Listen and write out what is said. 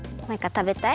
たべたい！